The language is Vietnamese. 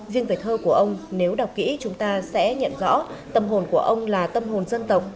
riêng về thơ của ông nếu đọc kỹ chúng ta sẽ nhận rõ tâm hồn của ông là tâm hồn dân tộc